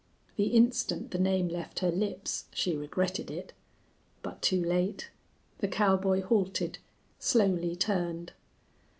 The instant the name left her lips she regretted it. But too late! The cowboy halted, slowly turned.